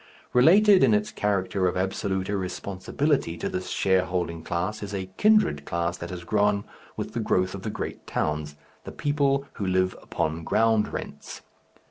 Related in its character of absolute irresponsibility to this shareholding class is a kindred class that has grown with the growth of the great towns, the people who live upon ground rents.